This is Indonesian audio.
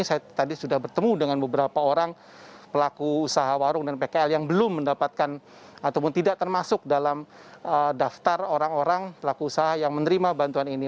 saya tadi sudah bertemu dengan beberapa orang pelaku usaha warung dan pkl yang belum mendapatkan ataupun tidak termasuk dalam daftar orang orang pelaku usaha yang menerima bantuan ini